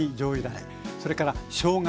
それからしょうが